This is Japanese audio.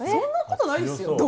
そんなことないですよ！